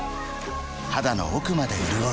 肌の奥まで潤う